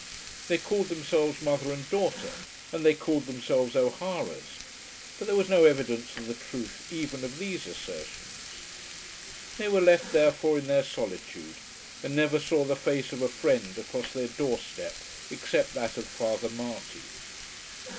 They called themselves mother and daughter, and they called themselves O'Haras; but there was no evidence of the truth even of these assertions. They were left therefore in their solitude, and never saw the face of a friend across their door step except that of Father Marty.